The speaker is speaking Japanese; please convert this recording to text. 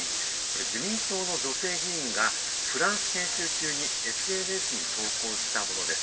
自民党の女性議員がフランス研修中にＳＮＳに投稿したものです。